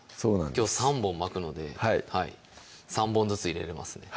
きょう３本巻くので３本ずつ入れれますね